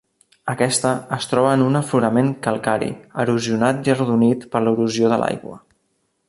Aquesta es troba en un aflorament calcari, erosionat i arrodonit per l'erosió de l'aigua.